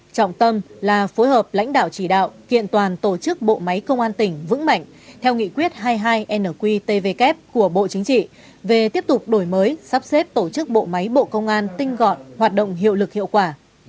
trọng tâm là phối hợp lãnh đạo chỉ đạo kiện toàn tổ chức bộ máy công an tỉnh vững mạnh theo nghị quyết hai mươi hai nqtvk của bộ chính trị về tiếp tục đổi mới sắp xếp tổ chức bộ máy bộ công an tinh gọn hoạt động hiệu lực hiệu quả